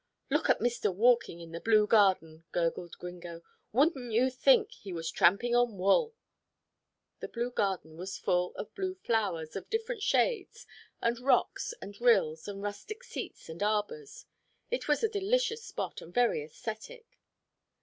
"Look at mister walking in the blue garden," gurgled Gringo. "Wouldn't you think he was tramping on wool?" The blue garden was full of blue flowers of different shades, and rocks, and rills, and rustic seats and arbours. It was a delicious spot, and very æsthetic.